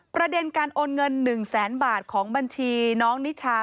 ประเด็นการโอนเงิน๑แสนบาทของบัญชีน้องนิชา